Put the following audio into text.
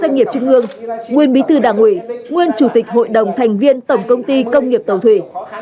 ủy ban kiểm tra trung ương nguyên bí thư đảng ủy nguyên chủ tịch hội đồng thành viên tổng công ty công nghiệp tàu thủy